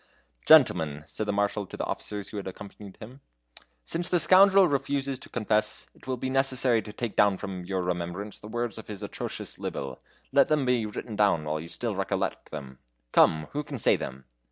"Gentlemen," said the Marshal to the officers who had accompanied him, "since the scoundrel refuses to confess, it will be necessary to take down from your remembrance the worlds of his atrocious libel. Let them be written down while you still recollect them. Come, who can say them?"